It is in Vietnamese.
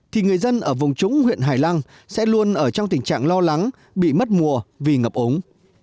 thì người dân ở vùng trúng huyện hải lăng sẽ luôn ở trong tình trạng lo lắng bị mất mùa vì ngập ống